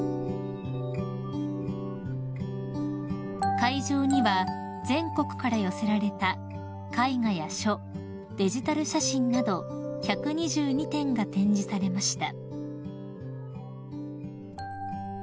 ［会場には全国から寄せられた絵画や書デジタル写真など１２２点が展示されました］